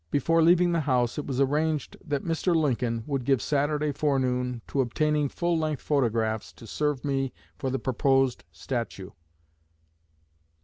Before leaving the house it was arranged that Mr. Lincoln would give Saturday forenoon to obtaining full length photographs to serve me for the proposed statue.